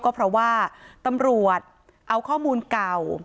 ก็เพราะว่าตำรวจเอาข้อมูลเก่า